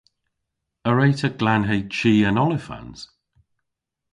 A wre'ta glanhe chi an olifans?